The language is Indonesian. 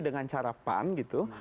dengan cara pan gitu